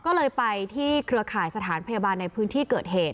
ก็เลยไปที่เครือข่ายสถานพยาบาลในพื้นที่เกิดเหตุ